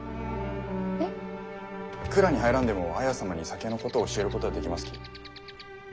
えっ？蔵に入らんでも綾様に酒のことを教えることはできますき。